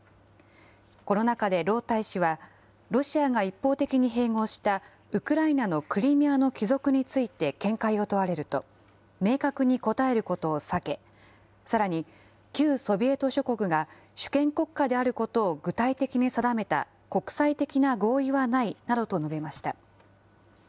この中で盧大使は、ロシアが一方的に併合したウクライナのクリミアの帰属について見解を問われると、明確に答えることを避け、さらに旧ソビエト諸国が主権国家であることを具体的に定めた国際的な合意はないなどと述べました。